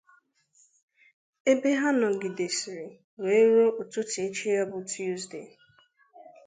ebe ha nọgidezịrị wee ruo ụtụtụ echi ya bụ Tuuzdee